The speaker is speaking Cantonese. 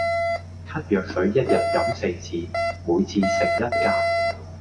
咳藥水一日飲四次，每次食一格